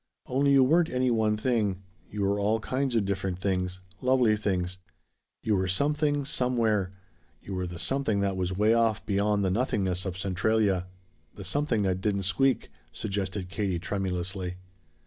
Only you weren't any one thing. You were all kinds of different things. Lovely things. You were Something Somewhere. You were the something that was way off beyond the nothingness of Centralia." "The something that didn't squeak," suggested Katie tremulously.